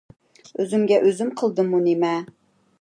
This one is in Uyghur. ئۆزۈمگە ئۆزۈم قىلدىممۇ نېمە؟